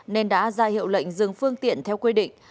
nên đã ra hiệu lệnh dừng phương tiện theo quy định